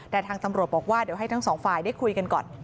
แต่ทางตำรวจบอกว่าเดี๋ยวให้ทั้งสองฝ่ายได้คุยกันก่อน